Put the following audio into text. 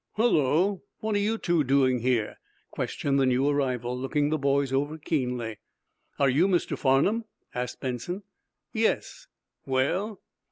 "Hullo, what are you two doing here?" questioned the new arrival, looking the boys over keenly. "Are you Mr. Farnum?" asked Benson. "Yes. Well?"